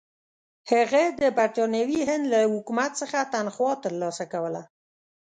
هغه د برټانوي هند له حکومت څخه تنخوا ترلاسه کوله.